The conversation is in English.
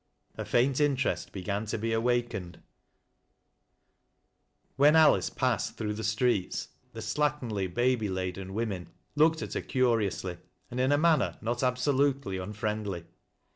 A faint interest began to be awakened ' LOV£l MB, .10 VB MY DOG." 45 When Anice passed through the streets, the slatitrnly^ baby laden women looked at her curiously, and in a man ner Eot absolutely unfriendly.